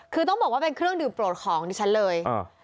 คือต้องบอกว่าเป็นเครื่องดื่มโปรดของดิฉันเลย